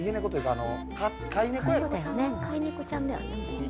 飼い猫ちゃんだよね。